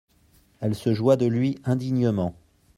Elle se joua de lui indignement.